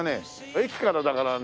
駅からだからね